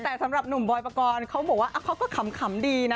แต่สำหรับหนุ่มบอยปกรณ์เขาบอกว่าเขาก็ขำดีนะ